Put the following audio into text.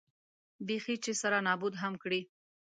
بېخي چې سره نابود هم کړي.